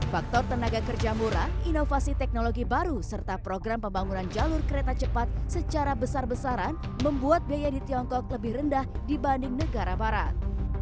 faktor tenaga kerja murah inovasi teknologi baru serta program pembangunan jalur kereta cepat secara besar besaran membuat biaya di tiongkok lebih rendah dibanding negara barat